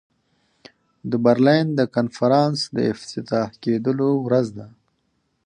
د برلین د کنفرانس د افتتاح کېدلو ورځ وه.